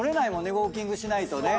ウオーキングしないとね。